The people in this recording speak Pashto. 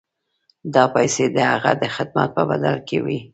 دا پیسې د هغه د خدمت په بدل کې وې.